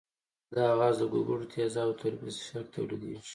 دا غاز د ګوګړو تیزابو د تولید په درشل کې تولیدیږي.